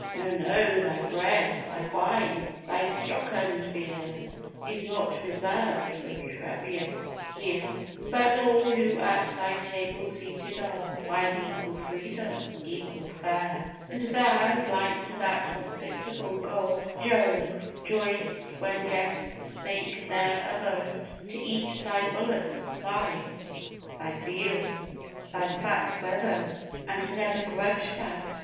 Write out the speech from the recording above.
No, no, thy bread, thy wine, thy jocund beer Is not reserved for Trebius here, But all who at thy table seated are, Find equal freedom, equal fare; And thou, like to that hospitable god, Jove, joy'st when guests make their abode To eat thy bullocks thighs, thy veals, thy fat Wethers, and never grudged at.